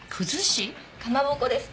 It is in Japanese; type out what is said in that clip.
かまぼこです。